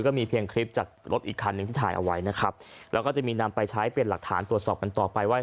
เพียงคลิปจากรถอีกคันหนึ่งที่ถ่ายเอาไว้นะครับแล้วก็จะมีนำไปใช้เป็นหลักฐานตรวจสอบกันต่อไปว่า